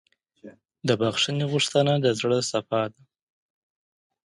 د بښنې غوښتنه د زړۀ صفا ده.